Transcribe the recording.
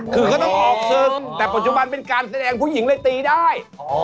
คือก็ต้องออกศึกแต่ปัจจุบันเป็นการแสดงผู้หญิงเลยตีได้